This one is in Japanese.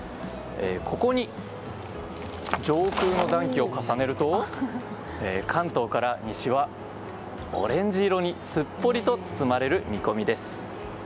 ここに上空の暖気を重ねると関東から西はオレンジ色にすっぽりと包まれる見込みです。